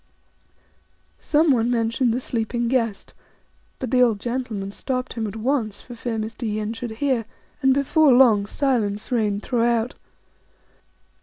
Someone mentioned the sleeping guest ; but the old gentleman stopped him at once for fear Mr. Yin should hear, and before long silence reigned throughout.